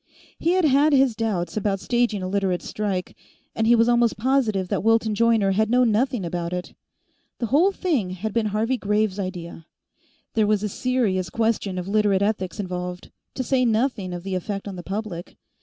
He had had his doubts about staging a Literates' strike, and he was almost positive that Wilton Joyner had known nothing about it. The whole thing had been Harvey Graves' idea. There was a serious question of Literate ethics involved, to say nothing of the effect on the public.